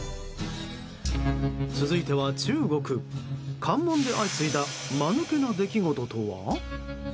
続いては中国、関門で相次いだ間抜けな出来事とは？